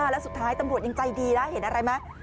และสุดท้ายตำรวจยังใจดีแล้วเห็นอะไรมั้ย